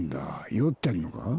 酔ってんのか？